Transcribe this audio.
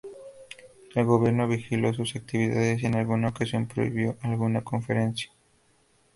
El gobierno vigiló sus actividades y en alguna ocasión prohibió alguna conferencia.